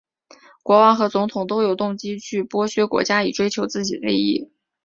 国王和总统都有动机会去剥削国家以追求自己的利益。